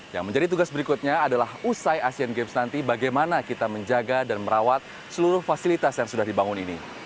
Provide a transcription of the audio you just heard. yang menjadi tugas berikutnya adalah usai asean games nanti bagaimana kita menjaga dan merawat seluruh fasilitas yang sudah dibangun ini